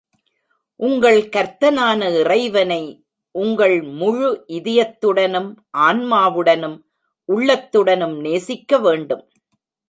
உங்கள் கர்த்தனான இறைவனை உங்கள் முழு இதயத்துடனும், ஆன்மாவுடனும், உள்ளத்துடனும் நேசிக்க வேண்டும்.